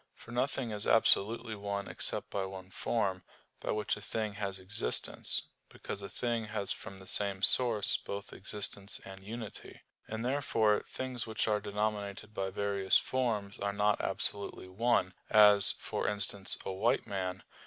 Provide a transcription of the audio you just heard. For nothing is absolutely one except by one form, by which a thing has existence: because a thing has from the same source both existence and unity; and therefore things which are denominated by various forms are not absolutely one; as, for instance, "a white man."